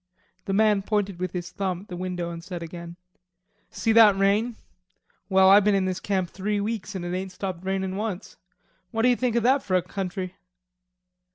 The man pointed with his thumb at the window and said again: "See that rain? Well, I been in this camp three weeks and it ain't stopped rainin' once. What d'yer think of that fer a country?"